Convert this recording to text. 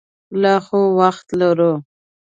لا خو وخت لرو.